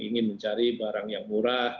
ingin mencari barang yang murah